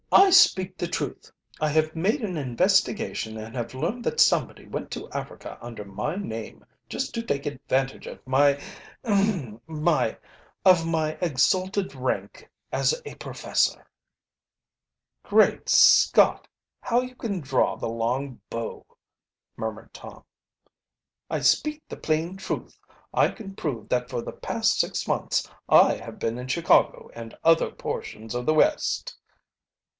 "I speak the truth. I have made an investigation, and have learned that somebody went to Africa under my name, just to take advantage of my ahem of my exalted rank as a professor." "Great Scott! how you can draw the long bow!" murmured Tom. "I speak the plain truth. I can prove that for the past six months I have been in Chicago and other portions of the West.